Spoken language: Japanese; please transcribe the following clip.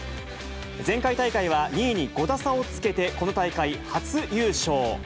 前回大会は２位に５打差をつけて、この大会、初優勝。